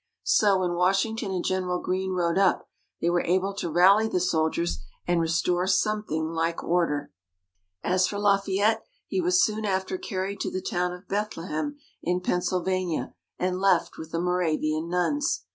So, when Washington and General Greene rode up, they were able to rally the soldiers and restore something like order. As for Lafayette, he was soon after carried to the town of Bethlehem in Pennsylvania, and left with the Moravian Nuns.